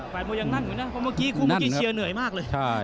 ไปมวยังนั่นเหมือนกันเพราะเมื่อกี้ครูเชียร์เหนื่อยมากเลย